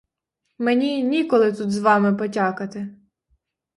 Мені ніколи тут з вами патякати!